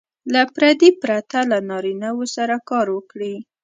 له پردې پرته له نارینه وو سره کار وکړي.